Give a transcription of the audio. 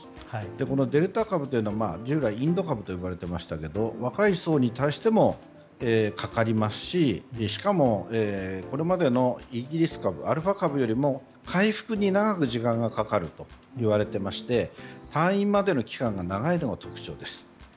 このデルタ株というのは、従来はインド株といわれていましたが若い世代にもかかりますししかも、これまでのイギリス株アルファ株よりも回復に時間がかかるといわれていまして退院までの期間が長いのが特徴です。